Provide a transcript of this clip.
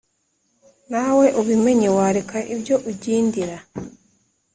Nawe ubimenye wareka ibyo ugindira